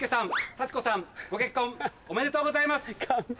サチコさんご結婚おめでとうございます。